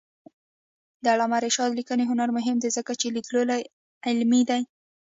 د علامه رشاد لیکنی هنر مهم دی ځکه چې لیدلوری علمي دی.